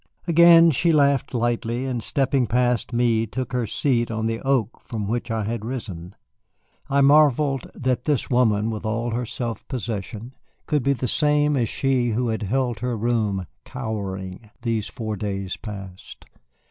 Again she laughed lightly, and stepping past me took her seat on the oak from which I had risen. I marvelled that this woman, with all her self possession, could be the same as she who had held her room, cowering, these four days past.